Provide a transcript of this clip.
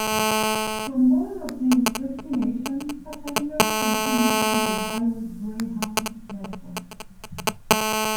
From both of these destinations, passengers can connect to the wider Greyhound network.